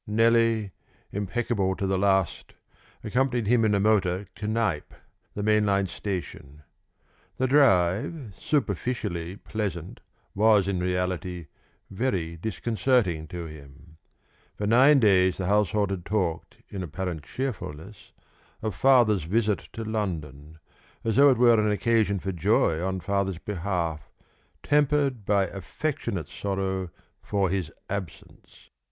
Nellie, impeccable to the last, accompanied him in the motor to Knype, the main line station. The drive, superficially pleasant, was in reality very disconcerting to him. For nine days the household had talked in apparent cheerfulness of Father's visit to London, as though it were an occasion for joy on Father's behalf, tempered by affectionate sorrow for his absence.